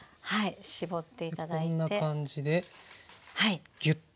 こんな感じでぎゅっと。